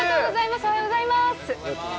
おはようございます。